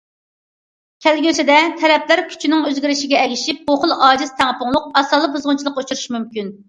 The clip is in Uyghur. كەلگۈسىدە تەرەپلەر كۈچىنىڭ ئۆزگىرىشىگە ئەگىشىپ، بۇ خىل ئاجىز تەڭپۇڭلۇق ئاسانلا بۇزغۇنچىلىققا ئۇچرىشى مۇمكىن.